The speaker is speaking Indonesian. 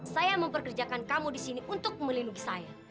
saya memperkerjakan kamu di sini untuk melindungi saya